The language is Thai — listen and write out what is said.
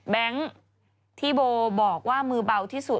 ที่โบบอกว่ามือเบาที่สุด